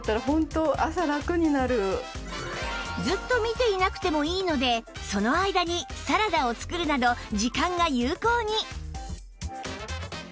ずっと見ていなくてもいいのでその間にサラダを作るなど時間が有効に